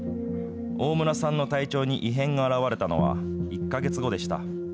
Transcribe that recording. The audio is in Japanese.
大村さんの体調に異変が現れたのは、１か月後でした。